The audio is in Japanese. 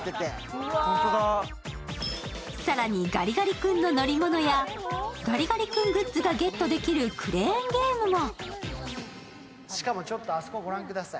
更にガリガリ君の乗り物やガリガリ君グッズがゲットできるクレーンゲームも。